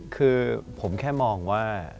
คือผมแค่มองว่า